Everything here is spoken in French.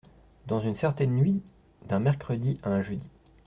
Dans une certaine nuit d’un mercredi à un jeudi…